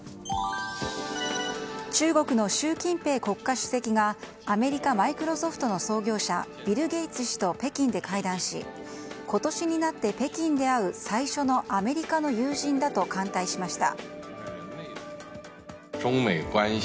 中国の習近平国家主席がアメリカ、マイクロソフトの創業者ビル・ゲイツ氏と北京で会談し今年になって北京で会う最初のアメリカの友人だと歓待しました。